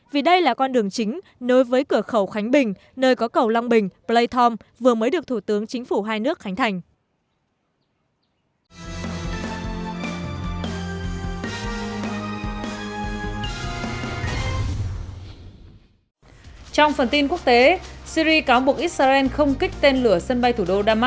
vì đây là con đường chính nối với cửa khẩu khánh bình nơi có cầu long bình playthorne vừa mới được thủ tướng chính phủ hai nước khánh thành